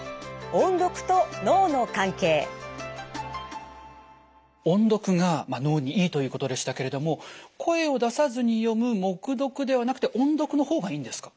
音読が脳にいいということでしたけれども声を出さずに読む黙読ではなくて音読のほうがいいんですか？